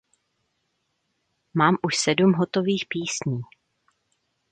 Mám už sedm hotových písní.